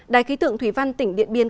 đài khí tượng thủy văn tỉnh điện biên